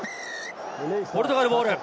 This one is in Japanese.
ポルトガルボール。